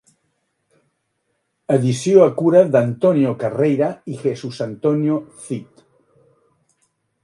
Edició a cura d'Antonio Carreira i Jesús Antonio Cid.